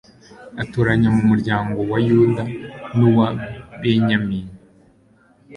atoranya mu muryango wa yuda n'uwa benyamini